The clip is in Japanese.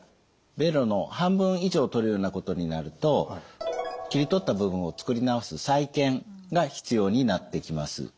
ベロの半分以上を取るようなことになると切り取った部分を作り直す再建が必要になってきます。